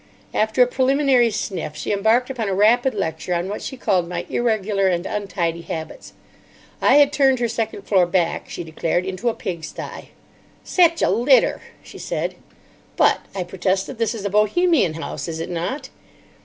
After a preliminary sniff she embarked upon a rapid lecture on what she called my irregular and untidy habits. I had turned her second floor back, she declared, into a pig stye. "Sech a litter," she said. "But," I protested, "this is a Bohemian house, is it not?"